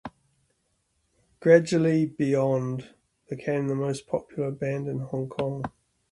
Gradually Beyond became the most popular band in Hong Kong.